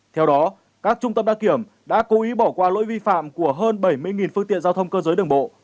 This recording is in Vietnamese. theo đó các trung tâm đăng kiểm đã cố ý bỏ qua lỗi vi phạm của hơn bảy mươi phương tiện giao thông cơ giới đường bộ